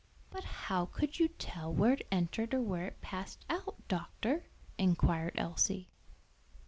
"But how could you tell where it entered or where it passed out, doctor?" inquired Elsie.